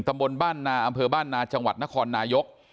ตำบลบ้านนาอำเภอบ้านนาจังหวัดนครนายก